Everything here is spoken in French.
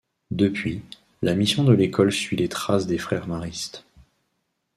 Depuis, la mission de l'école suit les traces des Frères Maristes.